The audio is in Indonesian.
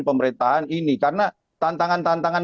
pemerintahan ini karena tantangan tantangan